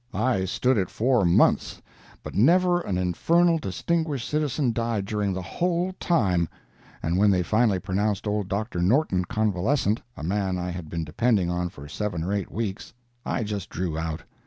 I stood it four months, but never an infernal distinguished citizen died during the whole time; and when they finally pronounced old Dr. Norton convalescent (a man I had been depending on for seven or eight weeks,) I just drew out.